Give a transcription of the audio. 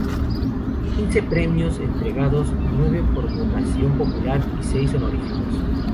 Quince premios fueron entregados: nueve por votación popular y seis honoríficos.